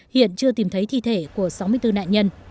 hiện chưa tìm thấy thi thể của sáu mươi bốn nạn nhân